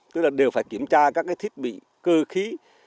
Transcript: tức là đều phải kiểm tra các cái thiết bị cơ khí